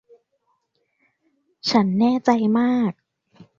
ฉันแน่ใจมาก